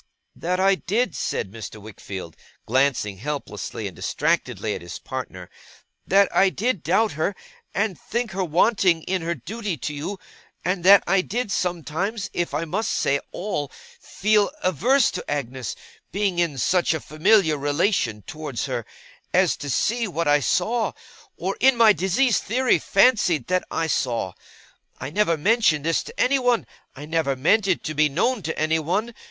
' that I did,' said Mr. Wickfield, glancing helplessly and distractedly at his partner, 'that I did doubt her, and think her wanting in her duty to you; and that I did sometimes, if I must say all, feel averse to Agnes being in such a familiar relation towards her, as to see what I saw, or in my diseased theory fancied that I saw. I never mentioned this to anyone. I never meant it to be known to anyone.